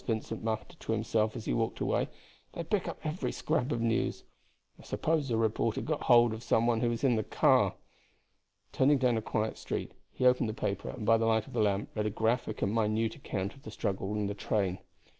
Vincent muttered to himself as he walked away. "They pick up every scrap of news. I suppose a reporter got hold of some one who was in the car." Turning down a quiet street, he opened the paper and by the light of the lamp read a graphic and minute account of the struggle in the train.